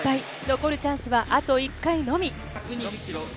残るチャンスはあと１回のみ。